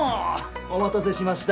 お待たせしました。